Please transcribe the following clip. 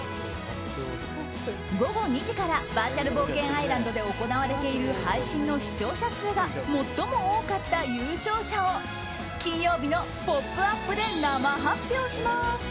午後２時からバーチャル冒険アイランドで行われている配信の視聴者数が最も多かった優勝者を金曜日の「ポップＵＰ！」で生発表します。